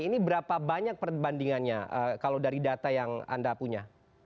ini berapa banyak perbandingannya kalau dari data yang anda punya